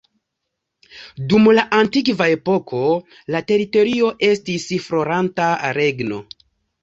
Dum la antikva epoko la teritorio estis floranta regno.